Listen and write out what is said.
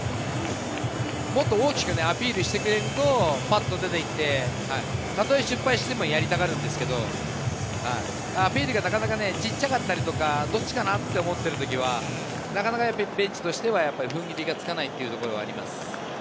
もっと大きくアピールしてくれるとパットと出て行って、たとえ失敗してもやりたがるんですけど、アピールがなかなかちっちゃかったりとかどっちかなって思っているときは、ベンチとしては踏ん切りがつかないところがあります。